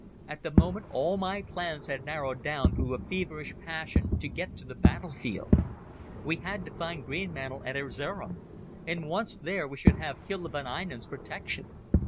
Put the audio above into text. At the moment all my plans had narrowed down to a feverish passion to get to the battle field. We had to find Greenmantle at Erzerum, and once there we should have Hilda von Einem's protection.